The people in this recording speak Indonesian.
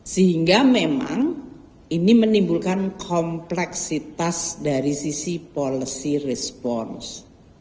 sehingga memang ini menimbulkan kompleksitas dari sisi policy response